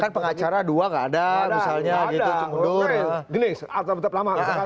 kan pengacara dua nggak ada misalnya